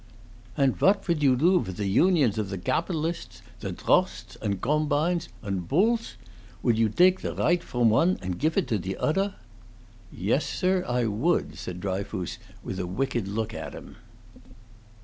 "And what would you do with the unionss of the gabidalists the drosts and gompines, and boolss? Would you dake the righdt from one and gif it to the odder?" "Yes, sir, I would," said Dryfoos, with a wicked look at him.